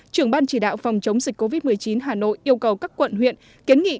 trưởng ban chỉ đạo phòng chống dịch covid một mươi chín hà nội yêu cầu các quận huyện kiến nghị